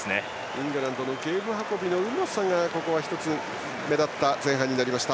イングランドのゲーム運びのうまさがここは１つ目立った前半になりました。